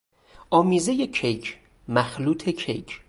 آمیزهی کیک، مخلوط کیک